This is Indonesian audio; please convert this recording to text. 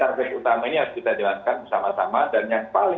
adalah menyangkut masalah penjagaan covid